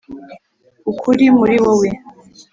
ukuri muri wowe